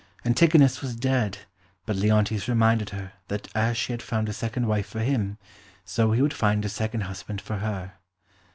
Antigonus was dead, but Leontes reminded her that as she had found a second wife for him, so he would find a second husband for her.